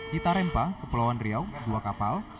di tarempa kepulauan riau dua kapal